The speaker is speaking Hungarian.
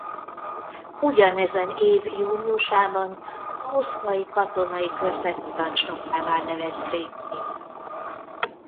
Ugyanezen év júniusában a Moszkvai Katonai Körzet parancsnokává nevezték ki.